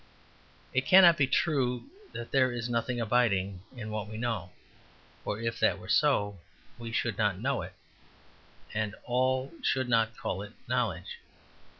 It cannot be true that there is nothing abiding in what we know. For if that were so we should not know it all and should not call it knowledge.